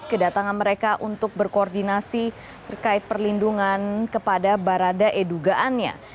kedatangan mereka untuk berkoordinasi terkait perlindungan kepada barada edugaannya